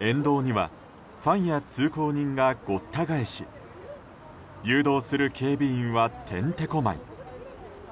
沿道にはファンや通行人がごった返し誘導する警備員はてんてこ舞い。